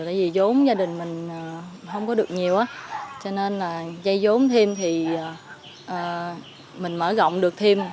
tại vì giống gia đình mình không có được nhiều cho nên là dây giống thêm thì mình mở rộng được thêm